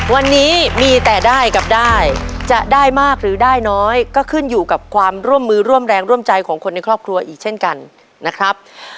วันนี้มีแต่ได้กับได้จะได้มากหรือได้น้อยก็ขึ้นอยู่กับความร่วมมือร่วมแรงร่วมใจของคนในครอบครัวอีกเช่นกันนะครับ